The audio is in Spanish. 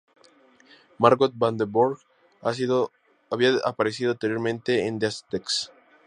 Margot Van de Burgh había aparecido anteriormente en "The Aztecs".